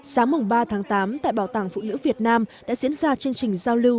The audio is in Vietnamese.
sáng ba tháng tám tại bảo tàng phụ nữ việt nam đã diễn ra chương trình giao lưu